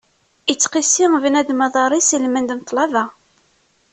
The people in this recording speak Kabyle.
Ittqissi bnadem aḍaṛ-is ilmend n ṭlaba.